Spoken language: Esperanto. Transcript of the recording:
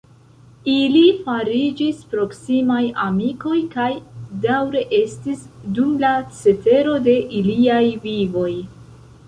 Ili fariĝis proksimaj amikoj, kaj daŭre estis dum la cetero de iliaj vivoj.